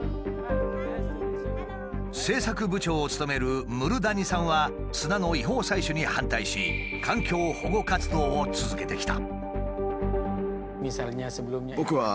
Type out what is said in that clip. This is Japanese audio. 政策部長を務めるムルダニさんは砂の違法採取に反対し環境保護活動を続けてきた。